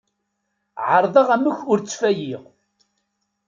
Ԑerḍeɣ amek ur ttfayiɣ.